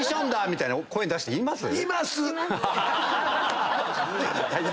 みたいな声に出して言います？